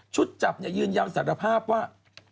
จับยืนยันสารภาพว่า